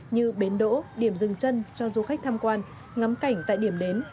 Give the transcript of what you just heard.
như bến đỗ điểm dừng chân cho du khách tham quan ngắm cảnh tại điểm đến